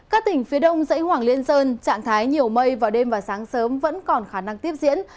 các tỉnh phía đông dãy hoàng liên sơn trạng thái nhiều mây vào đêm và sáng sớm vẫn còn khả năng tiếp diễn